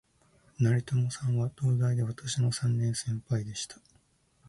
成友さんは、東大で私の三年先輩でした